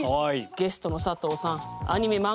ゲストの佐藤さん